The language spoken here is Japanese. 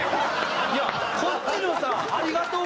いやこっちのさ「ありがとうございます」